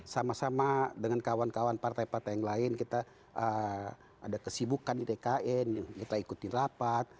sama sama dengan kawan kawan partai partai yang lain kita ada kesibukan di tkn kita ikutin rapat